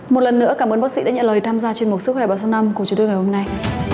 một lần nữa cảm ơn bác sĩ đã nhận lời tham gia trên mục sức khỏe ba trăm sáu mươi năm của chương trình ngày hôm nay